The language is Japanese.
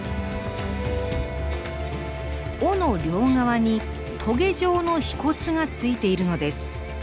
尾の両側にトゲ状の皮骨がついているのです。